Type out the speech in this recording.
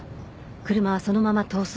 車はそのまま逃走。